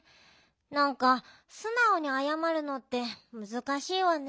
なんかすなおにあやまるのってむずかしいわね。